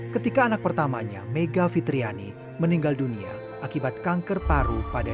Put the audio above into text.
ketika anak pertamanya mega fitriani meninggal dunia akibat kanker paru pada dua ribu lima belas